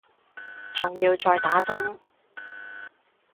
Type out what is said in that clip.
仲要再打針